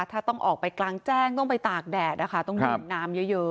ถ้าต้องออกไปกลางแจ้งต้องไปตากแดดนะคะต้องดื่มน้ำเยอะ